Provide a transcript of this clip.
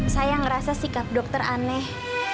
saya ngerasa sikap dokter aneh